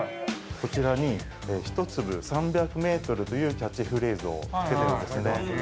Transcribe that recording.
こちらに「一粒３００メートル」というキャッチフレーズをつけてるんですね。